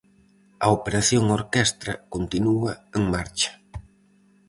A "Operación Orquestra" continúa en marcha.